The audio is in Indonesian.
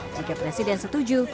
jika presiden setuju